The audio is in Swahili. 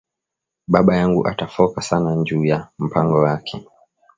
Baba yangu ata foka sana nju ya mpango yake